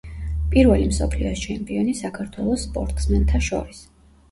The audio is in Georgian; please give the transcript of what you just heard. პირველი მსოფლიოს ჩემპიონი საქართველოს სპორტსმენთა შორის.